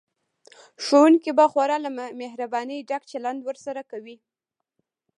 ښوونکي به خورا له مهربانۍ ډک چلند ورسره کوي